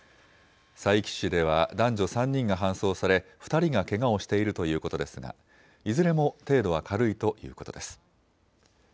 佐伯市では男女３人が搬送され２人がけがをしているということですがいずれも程度は軽いということです。